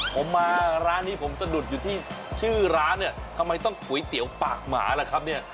ผมมาร้านนี้ผมสะดุดอยู่ที่ชื่อร้านเนี่ยทำไมต้องก๋วยเตี๋ยวปากหมาล่ะครับเนี่ย